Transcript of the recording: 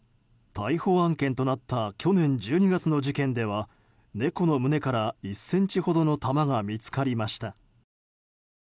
逮捕案件となった去年１２月の事件では猫の胸から１ｃｍほどの弾が見つかりました。